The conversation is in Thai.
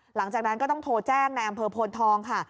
หลังจากนั้นก็ต้องโทรแจ้งในอำเภอโพนทองค่ะ